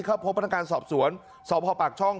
เข้าพบพนักงานสอบสวนสพปากช่อง